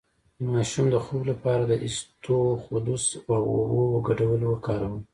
د ماشوم د خوب لپاره د اسطوخودوس او اوبو ګډول وکاروئ